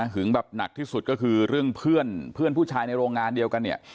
แบบหนักที่สุดก็คือเรื่องเพื่อนเพื่อนผู้ชายในโรงงานเดียวกันเนี่ย